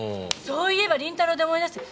そういえば凛太郎で思い出した。